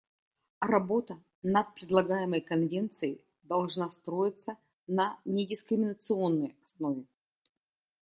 Работа над предлагаемой конвенцией должна строиться на недискриминационной основе.